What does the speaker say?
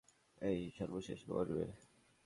এই সর্বশেষ মরবে।